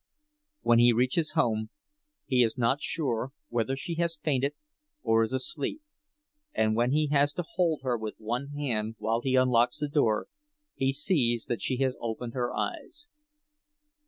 When he reaches home he is not sure whether she has fainted or is asleep, but when he has to hold her with one hand while he unlocks the door, he sees that she has opened her eyes.